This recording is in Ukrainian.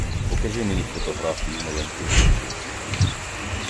Покажи мені фотографії маленьких злочинців.